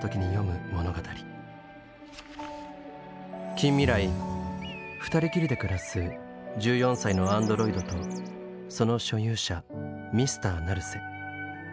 近未来２人きりで暮らす１４歳のアンドロイドとその所有者Ｍｒ．ナルセ。